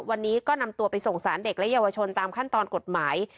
วันนี้ก็นำตัวไปส่งสารเด็กและเยาวชนตามขั้นตอนกฎหมาย